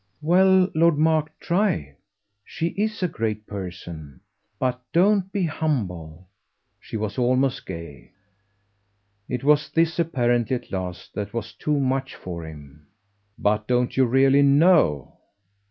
"Well, Lord Mark, try. She IS a great person. But don't be humble." She was almost gay. It was this apparently, at last, that was too much for him. "But don't you really KNOW?"